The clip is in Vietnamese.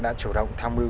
đã chủ động tham mưu